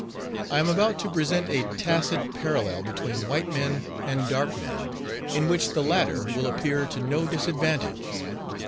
I am about to present a tacit parallel between white men and dark men, in which the latter will appear to no disadvantage.